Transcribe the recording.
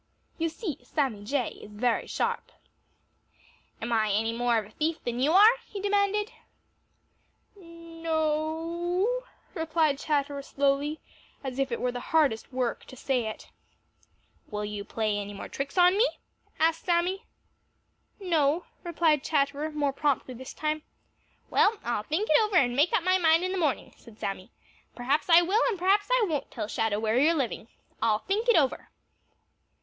You see, Sammy Jay is very sharp. "Am I any more of a thief than you are?" he demanded. "No o o," replied Chatterer slowly, as if it were the hardest work to say it. [Illustration: "No o o," replied Chatterer slowly.] "Will you play any more tricks on me?" asked Sammy. "No," replied Chatterer more promptly this time. "Well, I'll think it over and make up my mind in the morning," said Sammy. "Perhaps I will and perhaps I won't tell Shadow where you are living. I'll think it over."